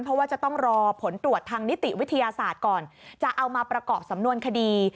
เพราะว่าจะต้องรอผลตรวจทางนิติวิทยาศาสตร์ก่อนจะเอามาประกอบสำนวนคดี